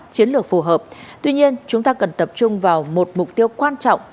chiến lược phù hợp tuy nhiên chúng ta cần tập trung vào một mục tiêu quan trọng